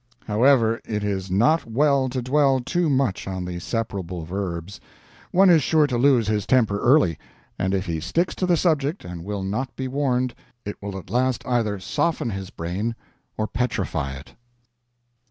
However, it is not well to dwell too much on the separable verbs. One is sure to lose his temper early; and if he sticks to the subject, and will not be warned, it will at last either soften his brain or petrify it.